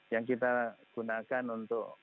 yang kita gunakan untuk